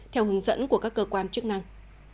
theo hướng dẫn của các cơ quan chức năng